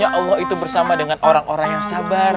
ya allah itu bersama dengan orang orang yang sabar